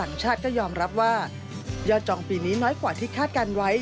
ก็ยอมรับว่ายอดจองปีนี้น้อยกว่าที่คาดการไว้